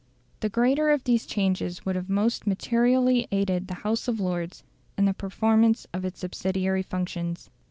The greater of these changes would have most materially aided the House of Lords in the performance of its subsidiary functions.